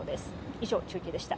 以上、中継でした。